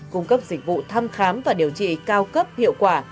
cung cấp dịch vụ thăm khám và điều trị cao cấp hiệu quả